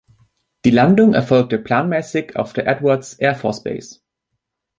Die Landung erfolgte planmäßig auf der Edwards Air Force Base.